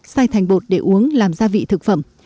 xay thành bột để uống làm gia vị thực phẩm